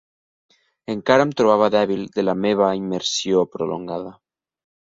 Encara em trobava dèbil de la meva immersió prolongada.